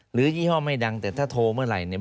ยี่ห้อไม่ดังแต่ถ้าโทรเมื่อไหร่เนี่ย